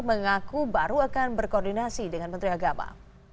mengaku baru akan berkoordinasi dengan menteri agama